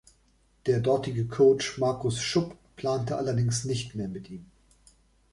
Der dortige Coach Markus Schupp plante allerdings nicht mehr mit ihm.